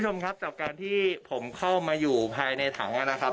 คุณผู้ชมครับจากการที่ผมเข้ามาอยู่ภายในถังนะครับ